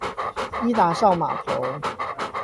伊達邵碼頭